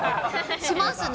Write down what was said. しますね。